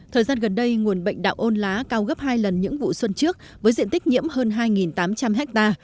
thời gian gần đây nguồn bệnh đạo ôn lá cao gấp hai lần những vụ xuân trước với diện tích nhiễm hơn hai tám trăm linh ha